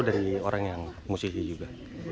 dari orang yang musisi juga